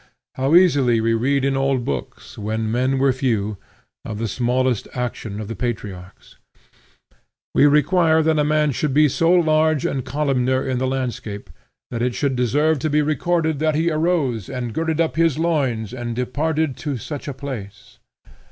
How easily we read in old books, when men were few, of the smallest action of the patriarchs. We require that a man should be so large and columnar in the landscape, that it should deserve to be recorded that he arose, and girded up his loins, and departed to such a place.